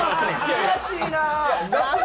悔しいなあ。